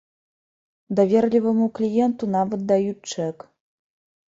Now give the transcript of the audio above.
Даверліваму кліенту нават даюць чэк.